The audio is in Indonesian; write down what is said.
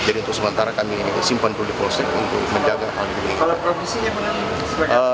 jadi untuk sementara kami simpan itu di proses untuk menjaga hal yang tidak inginkan